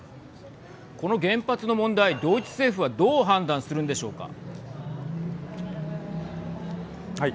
この原発の問題、ドイツ政府はどう判断するんでしょうか。